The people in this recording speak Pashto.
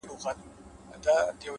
ناکامي د پوهې پټه ښوونکې ده’